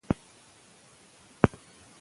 مور ماشوم ته هره ورځ ارام ورکوي.